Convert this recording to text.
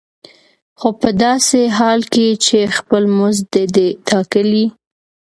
خو په داسې حال کې چې خپل مزد دې دی ټاکلی.